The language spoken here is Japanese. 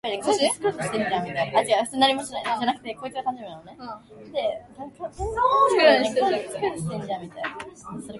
トンネルの開削に従事する